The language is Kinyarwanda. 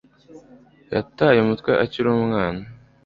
Yataye umutwe akiri umwana.